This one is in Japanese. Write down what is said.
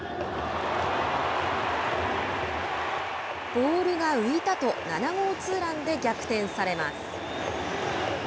ボールを浮いたと７号ツーランで逆転されます。